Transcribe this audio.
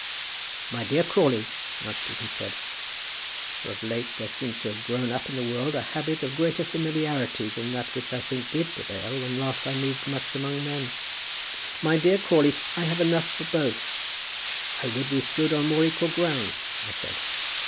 'My dear Crawley,' the archdeacon said, for of late there seems to have grown up in the world a habit of greater familiarity than that which I think did prevail when last I moved much among men; 'my dear Crawley, I have enough for both.' 'I would we stood on more equal grounds,' I said.